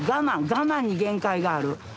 我慢に限界がある？